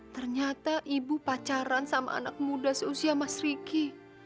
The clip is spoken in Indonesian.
ternyata ibu pacaran sama anak muda seusia mas riki